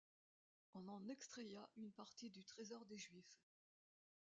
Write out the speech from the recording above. On en extraya une partie du trésor des juifs.